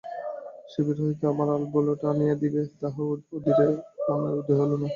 শিবির হইতে আমার আলবোলাটা আনিয়া দিবে, তাহাও ইহাদের মনে উদয় হইল না।